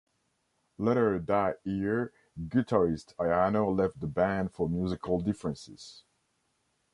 Later that year guitarist Ayano left the band for musical differences.